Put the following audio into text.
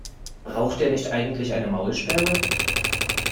Braucht der nicht eigentlich eine Maulsperre?